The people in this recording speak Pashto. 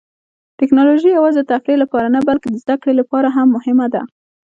ټیکنالوژي یوازې د تفریح لپاره نه، بلکې د زده کړې لپاره هم مهمه ده.